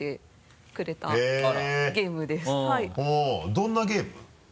どんなゲーム？